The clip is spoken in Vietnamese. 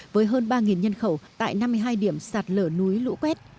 với hơn ba nhân khẩu tại năm mươi hai điểm sạt lở núi lũ quét